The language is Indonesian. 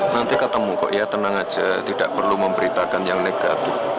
nanti ketemu kok ya tenang aja tidak perlu memberitakan yang negatif